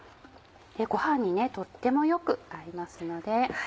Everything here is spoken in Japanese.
ご飯にとってもよく合いますので。